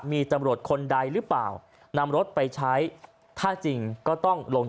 มีตำรวจคนใดหรือเปล่านำรถไปใช้ถ้าจริงก็ต้องลง